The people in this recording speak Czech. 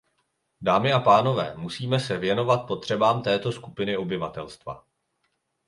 Dámy a pánové, musíme se věnovat potřebám této skupiny obyvatelstva.